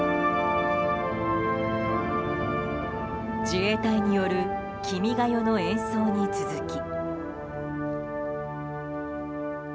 自衛隊による「君が代」の演奏に続き。